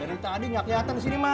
dari tadi gak keliatan disini mak